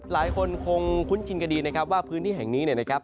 หลายคนคงคุ้นชินกันดีนะครับว่าพื้นที่แห่งนี้เนี่ยนะครับ